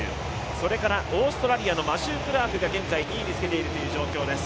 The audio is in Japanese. それからオーストラリアのマシュー・クラークが現在２位につけているという状況です。